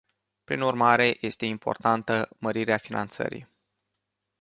Prin urmare, este importantă mărirea finanțării.